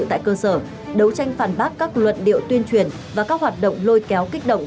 tại cơ sở đấu tranh phản bác các luận điệu tuyên truyền và các hoạt động lôi kéo kích động